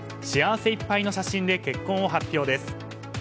幸せいっぱいの写真で結婚を発表です。